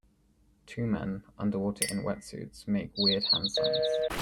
Two men, underwater in wetsuits make weird hand signs.